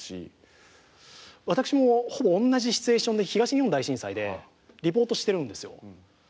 私もほぼ同じシチュエーションで東日本大震災でリポートしてるんですよ。